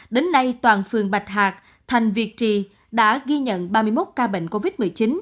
đến nay toàn phường bạch hạc thành việt trì đã ghi nhận ba mươi một ca bệnh covid một mươi chín